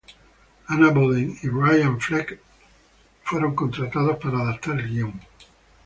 Anna Boden y Ryan Fleck, fueron contratados para adaptar el guion.